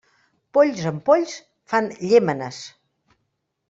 Polls amb polls, fan llémenes.